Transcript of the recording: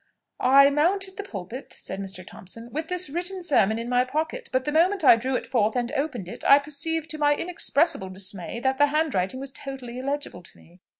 "I mounted the pulpit," said Mr. Thompson, "with this written sermon in my pocket; but the moment I drew it forth and opened it, I perceived, to my inexpressible dismay, that the handwriting was totally illegible to me.